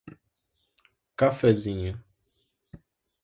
Cafézinho